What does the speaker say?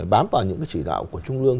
bám vào những cái chỉ đạo của trung lương